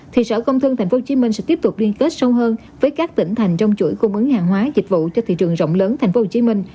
thì sở công thương tp hcm sẽ tiếp tục liên kết sâu hơn với các tỉnh thành trong chuỗi cung ứng hàng hóa dịch vụ cho thị trường rộng lớn tp hcm